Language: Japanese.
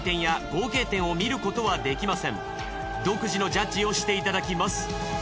独自のジャッジをしていただきます。